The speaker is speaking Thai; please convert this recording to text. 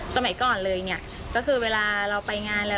สมัยก่อนเลยเนี่ยก็คือเวลาเราไปงานแล้ว